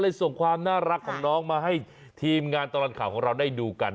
ส่งความน่ารักของน้องมาให้ทีมงานตลอดข่าวของเราได้ดูกัน